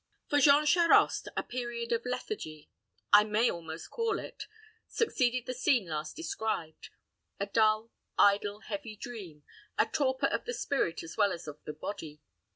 For Jean Charost, a period of lethargy I may almost call it succeeded the scene last described. A dull, idle, heavy dream a torpor of the spirit as well as of the body.